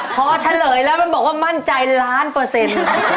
พอเฉลยแล้วมันบอกว่ามั่นใจล้านเปอร์เซ็นต์